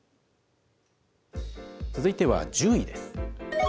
続いては１０位です。